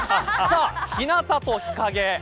日なたと日陰